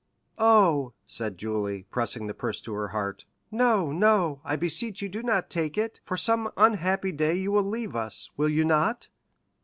"Oh," said Julie, pressing the purse to her heart, "no, no, I beseech you do not take it, for some unhappy day you will leave us, will you not?"